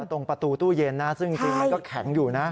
ตรงประตูตู้เย็นนะซึ่งจริงมันก็แข็งอยู่นะ